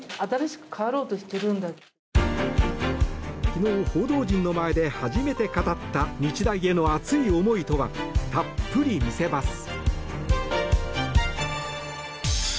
昨日、報道陣の前で初めて語った日大への熱い思いとは。たっぷり見せます。